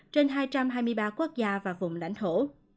trên hai trăm hai mươi ba quốc gia và vùng lãnh thổ